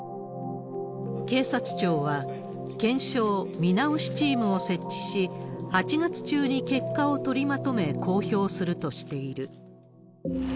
警察庁は、検証・見直しチームを設置し、８月中に結果を取りまとめ、公表するとしている。